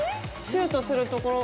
シュートするところ。